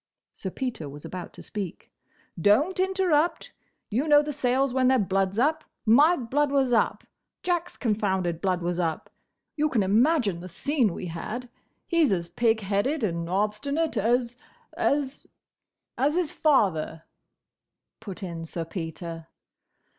Sir Peter was about to speak. "Don't interrupt!—You know the Sayles when their blood 's up. My blood was up. Jack's confounded blood was up. You can imagine the scene we had. He's as pig headed and obstinate as—as—" "As his father," put in Sir Peter.